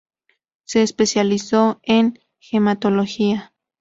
Se especializó en hematología.